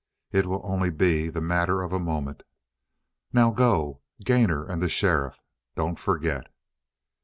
It will only be the matter of a moment. Now go. Gainor and the sheriff. Don't forget."